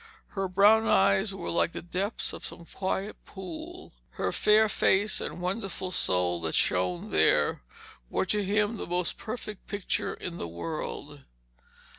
Her brown eyes were like the depths of some quiet pool, her fair face and the wonderful soul that shone there were to him the most perfect picture in the world.